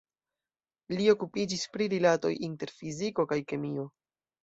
Li okupiĝis pri rilatoj inter fiziko kaj kemio.